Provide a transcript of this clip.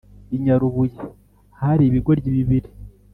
I Nyarubuye hari ibigoryi bibiri